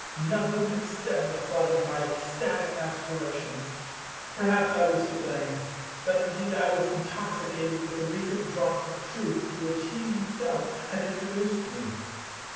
Nothing could stem the flood of my ecstatic aspirations. Perhaps I was to blame; but indeed I was intoxicated with the recent draughts of Truth to which he himself had introduced me.